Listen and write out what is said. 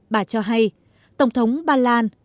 bà cho hay tổng thống ba lan